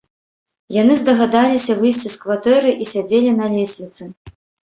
Яны здагадаліся выйсці з кватэры і сядзелі на лесвіцы.